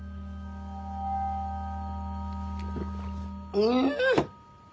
うん！